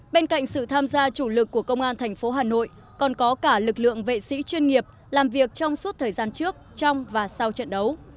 bên cạnh sự tham gia chủ lực của công an thành phố hà nội còn có cả lực lượng vệ sĩ chuyên nghiệp làm việc trong suốt thời gian trước trong và sau trận đấu